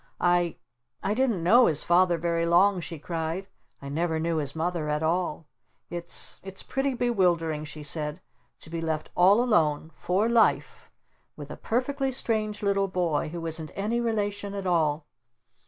"I I didn't know his Father very long," she cried. "I never knew his Mother at all! It's It's pretty bewildering," she said, "to be left all alone for life with a perfectly, strange little boy who isn't any relation at all!